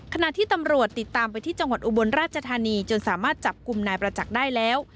ขณะที่ตำรวจติดตามไปที่จังหวัดอุบลราชธานีจนสามารถจับกลุ่มนายประจักษ์ได้แล้ว